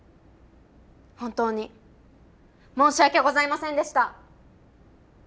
本当に申し訳ございませんでした。